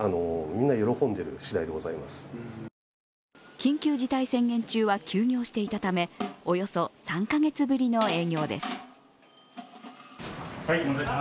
緊急事態宣言中は休業していたためおよそ３カ月ぶりの営業です。